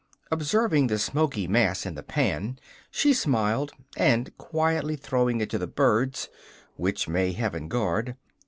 Observing the smoky mass in the pan, she smiled, and quietly throwing it to the birds (which may Heaven guard!)